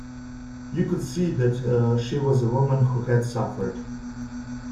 You could see that she was a woman who had suffered.